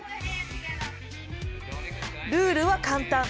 ルールは簡単。